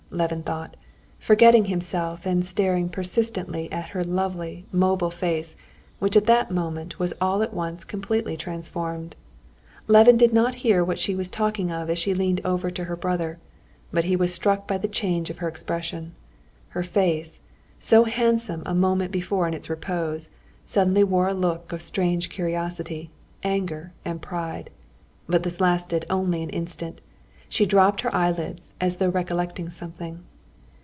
Levin thought, forgetting himself and staring persistently at her lovely, mobile face, which at that moment was all at once completely transformed. Levin did not hear what she was talking of as she leaned over to her brother, but he was struck by the change of her expression. Her face—so handsome a moment before in its repose—suddenly wore a look of strange curiosity, anger, and pride. But this lasted only an instant. She dropped her eyelids, as though recollecting something.